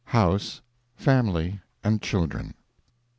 HOUSE, FAMILY, and CHILDREN.